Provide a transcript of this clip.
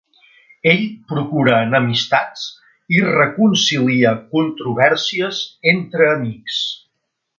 Ell procura enemistats i reconcilia controvèrsies entre amics.